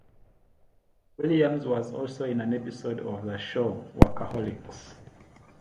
Williams was also in an episode of the show "Workaholics".